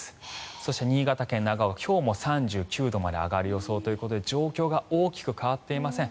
そして、新潟県長岡は今日も３９度まで上がる予想ということで状況は大きく変わっていません。